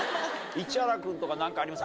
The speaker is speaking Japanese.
市原君とか何かあります？